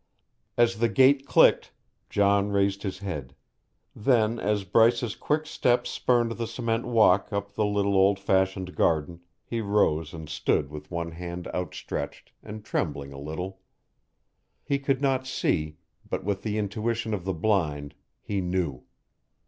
As the gate clicked, John raised his head; then as Bryce's quick step spurned the cement walk up the little old fashioned garden, he rose and stood with one hand outstretched and trembling a little. He could not see, but with the intuition of the blind, he knew.